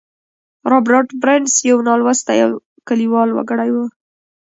رابرټ برنس یو نالوستی او کلیوال وګړی و